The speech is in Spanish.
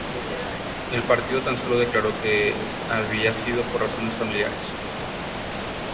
El partido tan solo declaró que había sido por "razones familiares".